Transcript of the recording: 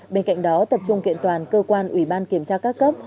bên cạnh đó tập trung kiện toàn cơ quan ủy ban kiểm tra các cấp